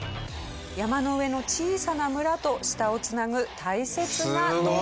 山の上の小さな村と下を繋ぐ大切な道路。